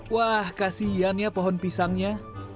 wah kasian ya pohon pisangnya